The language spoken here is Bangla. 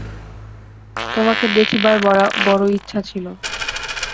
তোমাকে দেখিবার বড় ইচ্ছা ছিল।